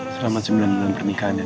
selamat sembilan bulan pernikahan ya nek